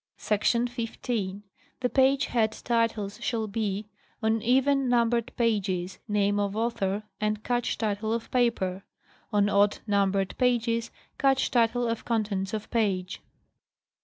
Sec. 15. The page head titles shall be: on even numbered pages, name of author and catch title of paper ; on odd numbered pages, catch title of contents of page.